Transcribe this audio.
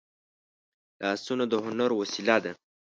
لاسونه د هنر وسیله ده